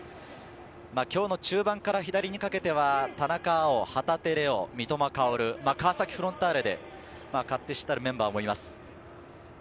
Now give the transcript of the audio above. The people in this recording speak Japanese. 今日の中盤から左にかけては、田中碧、旗手怜央、三笘薫、川崎フロンターレで勝手知ったるメンバーもいます。